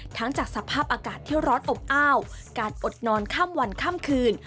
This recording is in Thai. จากสภาพอากาศที่ร้อนอบอ้าวการอดนอนข้ามวันข้ามคืน